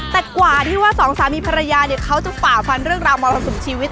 แต่กว่าที่ว่าสองสามีภรรยาเนี่ยเขาจะฝ่าฟันเรื่องราวมรสุมชีวิต